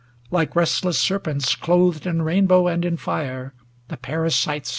Like restless ser pents, clothed In rainbow and in fire, the parasites.